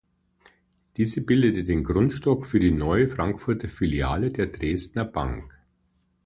Diese bildete den Grundstock für die neue Frankfurter Filiale der Dresdner Bank.